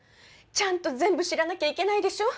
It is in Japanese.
ちゃんと全部知らなきゃいけないでしょ。